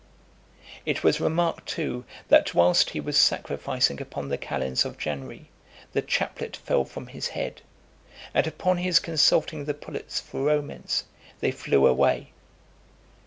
It was remarked, too, that whilst he was sacrificing upon the calends of January, the chaplet fell from his head, and upon his consulting the pullets for omens, they flew away.